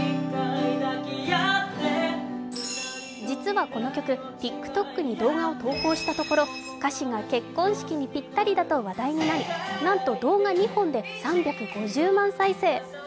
実はこの今日、ＴｉｋＴｏｋに動画を投稿したところ歌詞が結婚式にぴったりだと話題になり動画２本で３５０万再生。